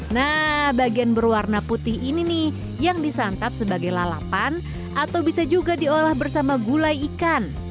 nah bagian berwarna putih ini nih yang disantap sebagai lalapan atau bisa juga diolah bersama gulai ikan